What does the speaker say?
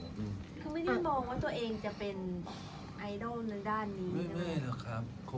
คุณไม่ได้มองว่าตัวเองจะเป็นไอดอลในด้านนี้